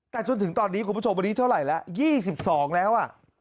แต่จนถึงตอนนี้คุณผู้ชมวันนี้เท่าไหร่ละ๒๒แล้ว